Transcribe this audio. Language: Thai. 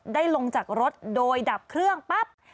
ลงจากรถโดยดับเครื่องปั๊บ